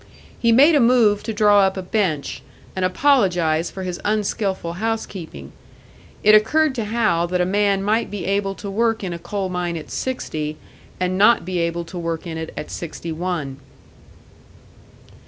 He made a move to draw up a bench, and apologised for his unskillful house keeping. It occurred to Hal that a man might be able to work in a coal mine at sixty, and not be able to work in it at sixty one.